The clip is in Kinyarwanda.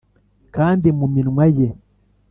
kandi mu minwa ye